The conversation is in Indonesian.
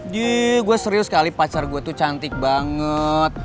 gie gue serius sekali pacar gue tuh cantik banget